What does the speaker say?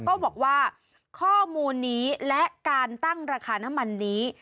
ก็บอกว่าข้อมูลนี้และการตั้งราคาน้ำมันนี้